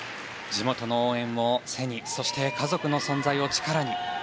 地元の応援も背にそして家族の存在を力に。